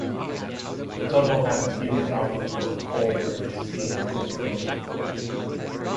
The tunnel had a fume problem from the coal-burning steam locomotives.